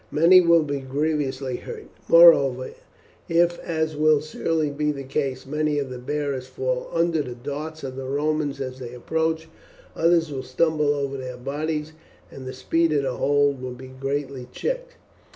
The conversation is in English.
Many will be grievously hurt. Moreover, if, as will surely be the case, many of the bearers fall under the darts of the Romans as they approach, others will stumble over their bodies, and the speed of the whole be greatly checked."